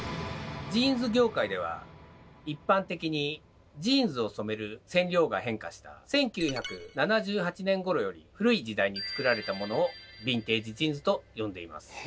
ジーンズ業界では一般的にジーンズを染める染料が変化した１９７８年ごろより古い時代に作られたモノをヴィンテージジーンズと呼んでいます。